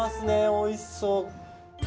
おいしそう。